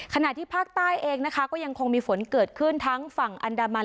ขณะที่ภาคใต้เองนะคะก็ยังคงมีฝนเกิดขึ้นทั้งฝั่งอันดามัน